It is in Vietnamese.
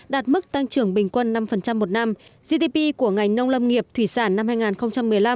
đạt mức tăng trưởng bình quân năm một năm gdp của ngành nông lâm nghiệp thủy sản năm hai nghìn một mươi năm